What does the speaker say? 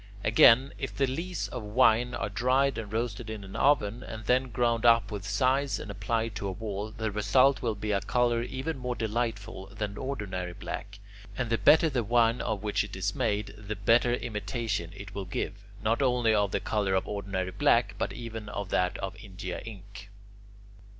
Again, if the lees of wine are dried and roasted in an oven, and then ground up with size and applied to a wall, the result will be a colour even more delightful than ordinary black; and the better the wine of which it is made, the better imitation it will give, not only of the colour of ordinary black, but even of that of India ink.